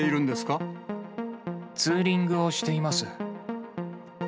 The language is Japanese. ツーリングをしています。